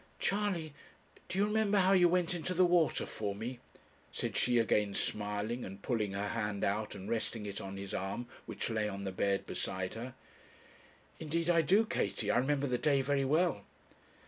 'Charley, do you remember how you went into the water for me?' said she, again smiling, and pulling her hand out and resting it on his arm which lay on the bed beside her. 'Indeed I do, Katie I remember the day very well.'